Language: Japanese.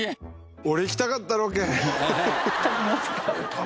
俺行きたかったロケ。